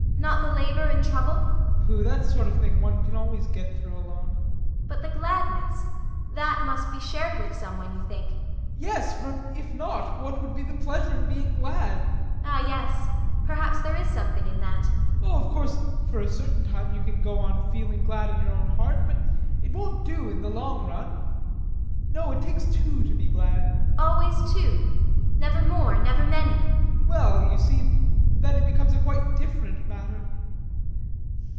ASTA. Not the labour and trouble? BORGHEIM. Pooh that sort of thing one can always get through alone. ASTA. But the gladness that must be shared with someone, you think? BORGHEIM. Yes; for if not, where would be the pleasure in being glad? ASTA. Ah yes perhaps there is something in that. BORGHEIM. Oh, of course, for a certain time you can go on feeling glad in your own heart. But it won't do in the long run. No, it takes two to be glad. ASTA. Always two? Never more? Never many? BORGHEIM. Well, you see then it becomes a quite different matter.